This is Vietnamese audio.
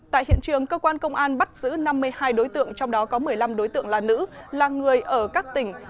tại hiện trường cơ quan công an bắt giữ năm mươi hai đối tượng trong đó có một mươi năm đối tượng là nữ là người ở các tỉnh